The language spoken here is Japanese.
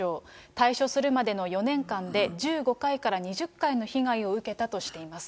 退所するまでの４年間で１５回から２０回の被害を受けたとしています。